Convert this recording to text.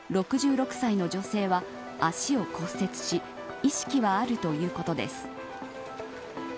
６６歳の女性は足を骨折し意識はあるということです。